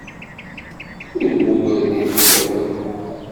Ur mmugren inebgawen.